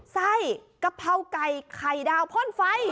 ไส้กะเพราไก่ไข่ดาวพ่นไฟ